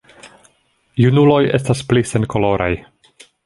Junuloj estas pli senkoloraj.